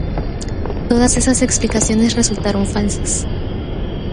Todas esas explicaciones resultaron falsas.